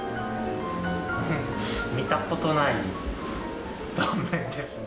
見た事ない断面ですね。